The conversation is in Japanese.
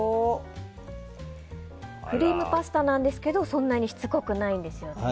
クリームパスタなんですけどそんなにしつこくないんですよね。